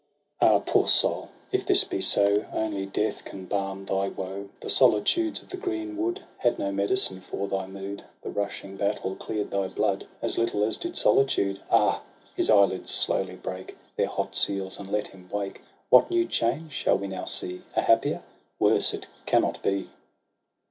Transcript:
....* Ah, poor soul ! if this be so. Only death can balm thy woe. The solitudes of the green wood 204 TRISTRAM AND ISEULT. Had no medicine for thy mood; The rushing battle clear'd thy blood As little as did solitude. — Ah ! his eyelids slowly break Their hot seals, and let him wake ; What new change shall we now see? A happier? Worse it cannot be.